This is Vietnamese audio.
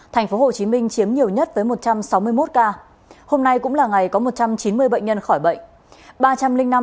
tp hcm chiếm nhiều nhất với một trăm sáu mươi một ca hôm nay cũng là ngày có một trăm chín mươi bệnh nhân khỏi bệnh